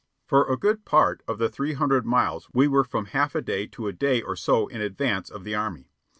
For a good part of the three hundred miles we were from half a day to a day or so in advance of the Army.